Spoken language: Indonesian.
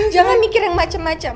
jangan mikir yang macem macem